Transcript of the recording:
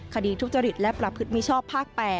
คดีทุจริตและประพฤติมิชชอบภาค๘